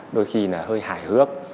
đôi khi là hơi hài hước